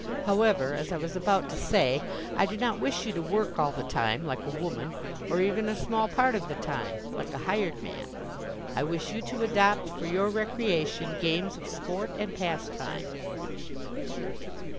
However, as I was about to say, I do not wish you to work all the time, like a woman, or even a small part of the time, like a hired man. I wish you to adopt for your recreation games of sport and pastime."